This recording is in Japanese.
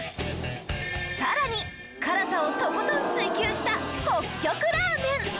さらに辛さをとことん追求した北極ラーメン。